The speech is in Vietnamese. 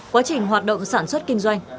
quá trình hoạt động sản xuất kinh doanh